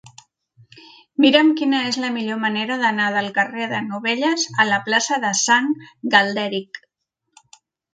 Mira'm quina és la millor manera d'anar del carrer de Novelles a la plaça de Sant Galderic.